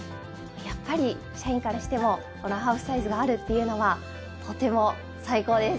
やっぱり、社員からしてもこのハーフサイズがあるっていうのはとても最高です。